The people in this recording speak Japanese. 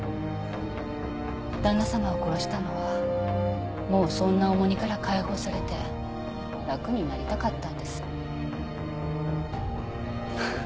旦那様を殺したのはもうそんな重荷から解放されて楽になりたかったんです。